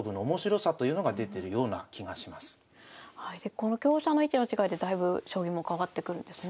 この香車の位置の違いでだいぶ将棋も変わってくるんですね。